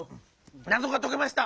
なぞがとけました！